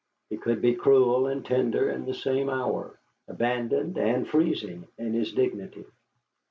He could be cruel and tender in the same hour; abandoned and freezing in his dignity.